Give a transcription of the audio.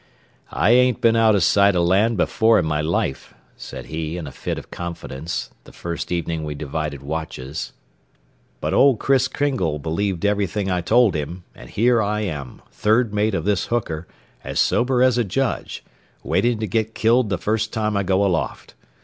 "I ain't been out o' sight o' land before in my life," said he, in a fit of confidence the first evening we divided watches, "but old Chris Kingle believed everything I told him, and here I am, third mate of this hooker, as sober as a judge, waitin' to get killed the first time I go aloft.